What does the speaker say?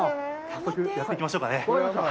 早速、やっていきましょうかね。